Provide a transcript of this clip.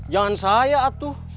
jangan saya atuh